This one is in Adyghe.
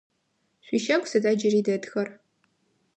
Шъуищагу сыда джыри дэтхэр?